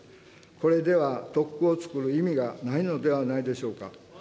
これでは、特区をつくる意味がないのではないでしょうか。